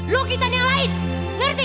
lukisan yang lain ngerti